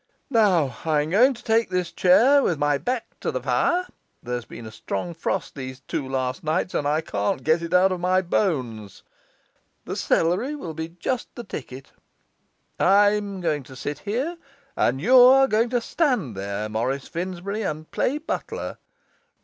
'Now I'm going to take this chair with my back to the fire there's been a strong frost these two last nights, and I can't get it out of my bones; the celery will be just the ticket I'm going to sit here, and you are going to stand there, Morris Finsbury, and play butler.